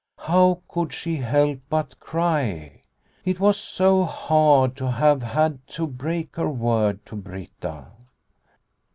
How could she help but cry ? It was so hard to have had to break her word to Britta.